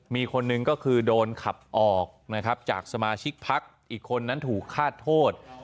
มีคนหนึ่งก็คือโดนขับออกนะครับจากสมาชิกพักอีกคนนั้นถูกฆาตโทษ